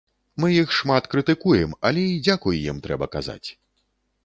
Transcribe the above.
Мы іх шмат крытыкуем, але і дзякуй ім трэба казаць.